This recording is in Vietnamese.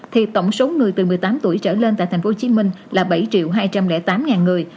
thì tổng số người từ một mươi tám tuổi trở lên tại tp hcm là bảy hai trăm linh tám người